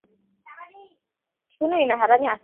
পূজার পর গাওদিয়ার স্বাস্থ্য ক্রমে ক্রমে ভালো হয়।